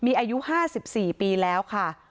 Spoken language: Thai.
มีอายุ๕๔ปีแล้วค่ะ